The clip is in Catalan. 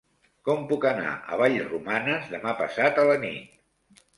Com puc anar a Vallromanes demà passat a la nit?